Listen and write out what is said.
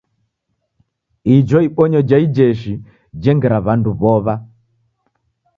Ijo ibonyo ja ijeshi jengira w'andu w'ow'a.